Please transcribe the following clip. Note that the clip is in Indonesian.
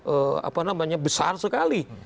apa namanya besar sekali